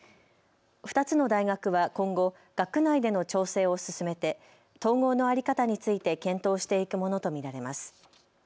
２つの大学は今後、学内での調整を進めて統合の在り方について検討していくものと見られます。